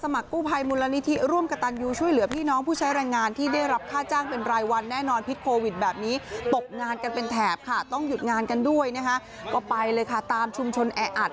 มีผู้งานกันด้วยก็ไปเลยค่ะตามชุมชนแออะอัด